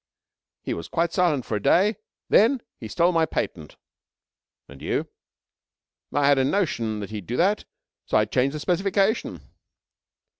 He was quite silent for a day. Then he stole my patent." "And you?" "I had a notion that he'd do that, so I had changed the specification."